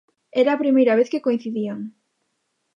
Era a primeira vez que coincidían.